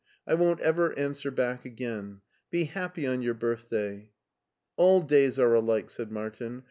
I won't ever answer back again. Be happy on your birthday." " All days are alike," said Martin.